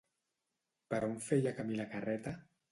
Per on feia camí la carreta?